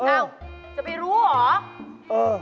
อ้าวจะไปรู้เหรอ